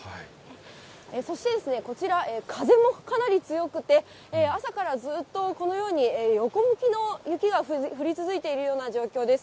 そしてですね、こちら、風もかなり強くて、朝からずっと、このように、横向きの雪が降り続いているような状況です。